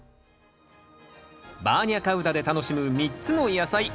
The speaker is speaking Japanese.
バーニャカウダで楽しむ３つの野菜。